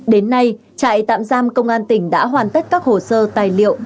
đến nay trại tạm giam công an tỉnh đã hoàn tất các hồ sơ tài liệu